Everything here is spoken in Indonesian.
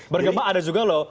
bergema ada juga loh